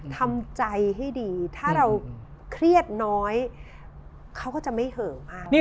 ทำใจให้ดีถ้าเราเครียดน้อยเขาก็จะไม่เหิมมาก